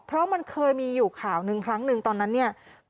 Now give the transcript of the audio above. เพราะมันเคยมีอยู่ข่าวหนึ่งครั้งหนึ่งตอนนั้นเนี่ย